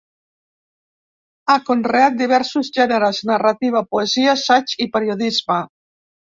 Ha conreat diversos gèneres: narrativa, poesia, assaig i periodisme.